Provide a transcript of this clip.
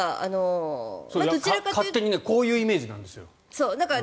勝手にこういうイメージなんですよ。